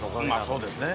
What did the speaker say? そうですね。